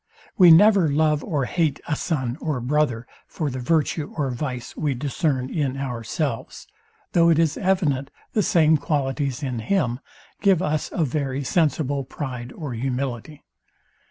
We never love or hate a son or brother for the virtue or vice we discern in ourselves; though it is evident the same qualities in him give us a very sensible pride or humility.